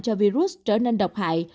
cho virus trở nên độc hại